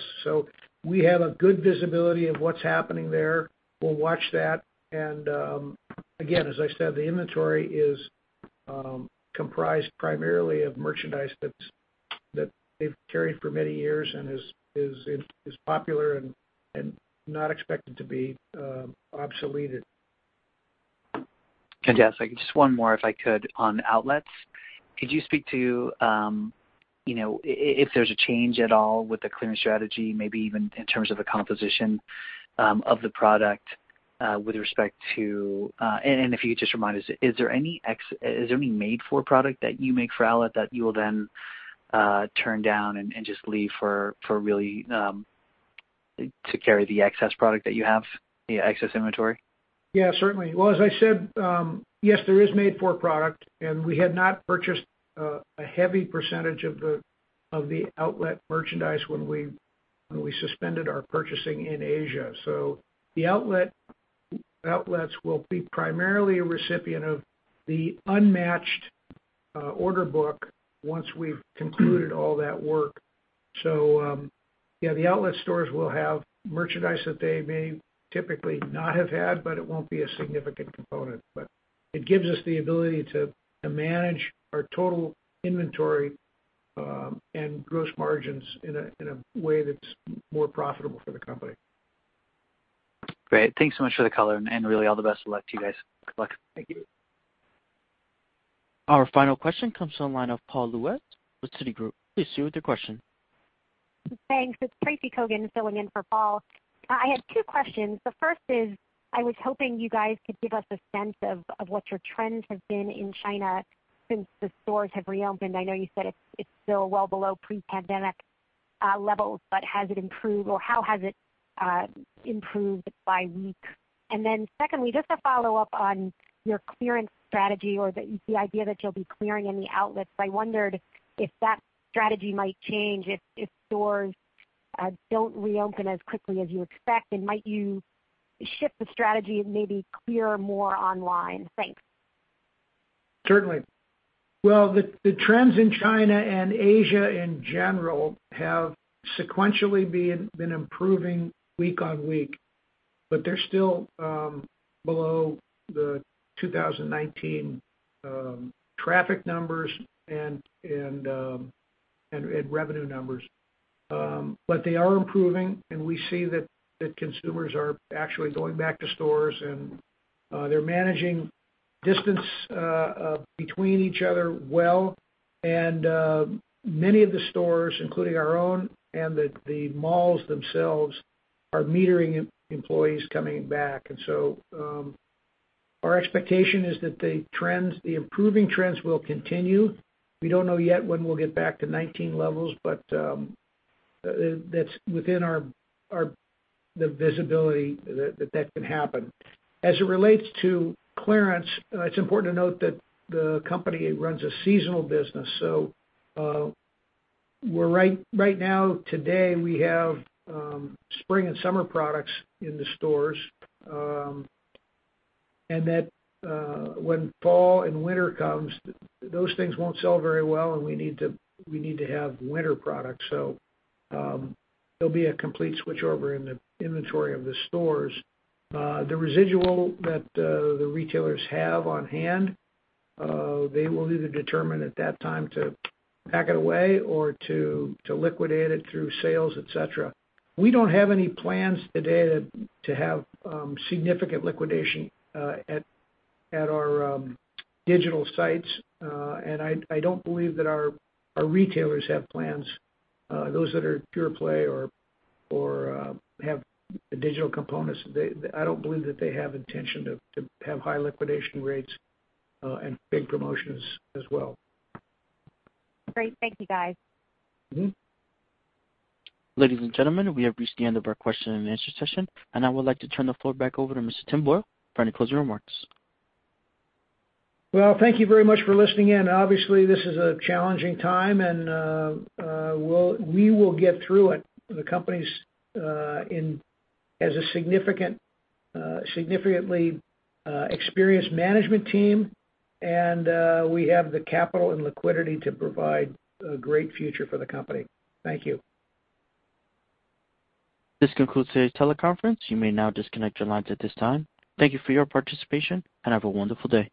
We have a good visibility of what's happening there. We'll watch that. Again, as I said, the inventory is comprised primarily of merchandise that they've carried for many years and is popular and not expected to be obsoleted. Okay. Yes. Just one more, if I could, on outlets. Could you speak to if there's a change at all with the clearance strategy, maybe even in terms of the composition of the product? If you could just remind us, is there any made-for product that you make for outlet that you will then turn down and just leave to carry the excess product that you have, the excess inventory? Yeah, certainly. Well, as I said, yes, there is made-for product, and we had not purchased a heavy percentage of the outlet merchandise when we suspended our purchasing in Asia. The outlets will be primarily a recipient of the unmatched order book once we've concluded all that work. Yeah, the outlet stores will have merchandise that they may typically not have had, but it won't be a significant component. It gives us the ability to manage our total inventory, and gross margins in a way that's more profitable for the company. Great. Thanks so much for the color, and really all the best of luck to you guys. Good luck. Thank you. Our final question comes from the line of Paul Lejuez with Citigroup. Please, proceed with your question. Thanks. It's Tracy Kogan filling in for Paul. I had two questions. The first is, I was hoping you guys could give us a sense of what your trends have been in China since the stores have reopened. I know you said it's still well below pre-pandemic levels, but has it improved, or how has it improved by week? Secondly, just to follow up on your clearance strategy or the idea that you'll be clearing in the outlets. I wondered if that strategy might change if stores don't reopen as quickly as you expect, and might you shift the strategy and maybe clear more online? Thanks. Certainly. Well, the trends in China and Asia in general have sequentially been improving week-on-week, but they're still below the 2019 traffic numbers and revenue numbers. They are improving, and we see that consumers are actually going back to stores, and they're managing distance between each other well. Many of the stores, including our own and the malls themselves, are metering employees coming back. Our expectation is that the improving trends will continue. We don't know yet when we'll get back to '19 levels, but that's within the visibility that that can happen. As it relates to clearance, it's important to note that the company runs a seasonal business. Right now, today, we have spring and summer products in the stores. That when fall and winter comes, those things won't sell very well and we need to have winter products. There'll be a complete switchover in the inventory of the stores. The residual that the retailers have on hand, they will either determine at that time to pack it away or to liquidate it through sales, et cetera. We don't have any plans today to have significant liquidation at our digital sites. I don't believe that our retailers have plans, those that are pure play or have digital components, I don't believe that they have intention to have high liquidation rates and big promotions as well. Great. Thank you, guys. Ladies and gentlemen, we have reached the end of our question-and-answer session, and I would like to turn the floor back over to Mr. Tim Boyle for any closing remarks. Well, thank you very much for listening in. Obviously, this is a challenging time, and we will get through it. The company has a significantly experienced management team, and we have the capital and liquidity to provide a great future for the company. Thank you. This concludes today's teleconference. You may now disconnect your lines at this time. Thank you for your participation and have a wonderful day.